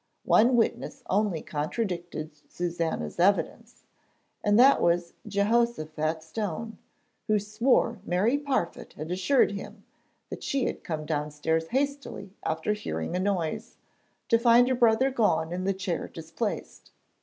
One witness only contradicted Susannah's evidence, and that was Jehoshaphat Stone, who swore Mary Parfitt had assured him that she had come downstairs hastily after hearing a noise, to find her brother gone and the chair displaced.